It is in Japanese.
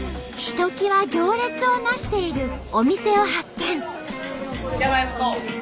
ひときわ行列をなしているお店を発見。